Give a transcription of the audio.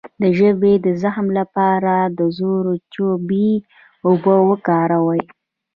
د ژبې د زخم لپاره د زردچوبې اوبه وکاروئ